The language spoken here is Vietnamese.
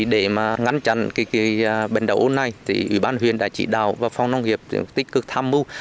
để ngăn chặn bệnh đậu ôn này thì ủy ban huyện đã chỉ đạo và phòng nông nghiệp tích cực tham mưu